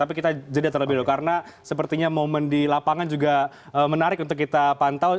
tapi kita jeda terlebih dahulu karena sepertinya momen di lapangan juga menarik untuk kita pantau